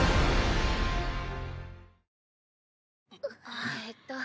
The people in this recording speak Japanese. あっえっと